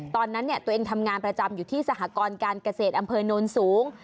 ตอนนั้นตัวเองทำงานประจำอยู่ที่สหกรการเกษตรอำเภอโน้นสูง